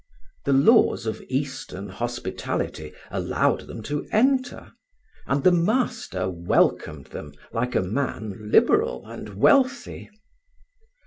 The laws of Eastern hospitality allowed them to enter, and the master welcomed them like a man liberal and wealthy.